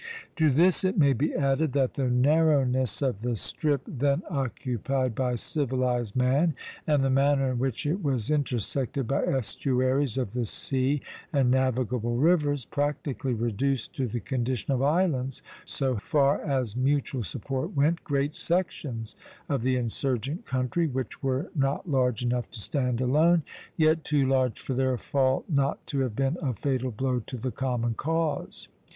To this it may be added that the narrowness of the strip then occupied by civilized man, and the manner in which it was intersected by estuaries of the sea and navigable rivers, practically reduced to the condition of islands, so far as mutual support went, great sections of the insurgent country, which were not large enough to stand alone, yet too large for their fall not to have been a fatal blow to the common cause.